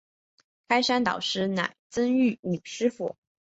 开山导师乃曾玉女师傅。